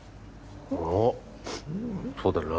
ああそうだな